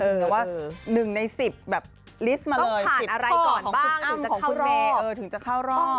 แต่ว่า๑ใน๑๐แบบลิสต์มาเลย๑๐ข้อของคุณอั้มของคุณเบถึงจะเข้ารอบ